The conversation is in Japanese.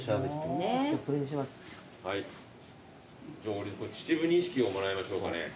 俺秩父錦をもらいましょうかね。